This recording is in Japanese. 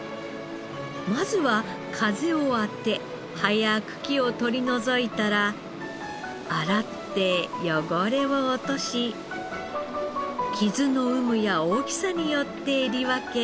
まずは風を当て葉や茎を取り除いたら洗って汚れを落とし傷の有無や大きさによってえり分け